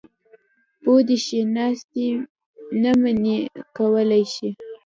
پو دې شي ناستې نه مې منع کولی شي.